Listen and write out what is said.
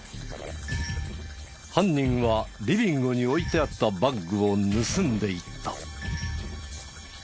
犯人はリビングに置いてあったバッグを盗んでいった。